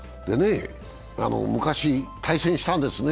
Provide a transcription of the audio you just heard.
昔、対戦したんですね。